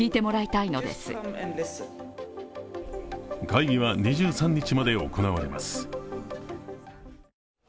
会議は２３日まで行われます。